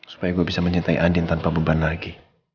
supaya gue bisa mencintai andin tanpa beban lagi